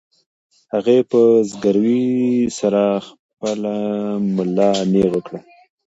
هغې په زګیروي سره خپله ملا نېغه کړه.